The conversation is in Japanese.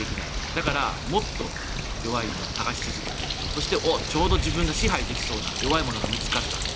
だからもっと弱いものを探し続けてそしてちょうど自分が支配できそうな弱いものが見つかったと。